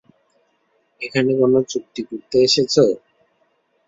এখানে কোনো চুক্তি করতে এসেছ?